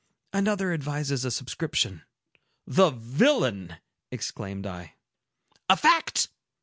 Another advises a subscription." "The villain!" exclaimed I. "A fact!"